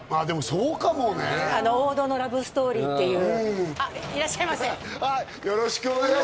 そうかもねあの王道のラブストーリーっていうあっいらっしゃいませよろしくお願いします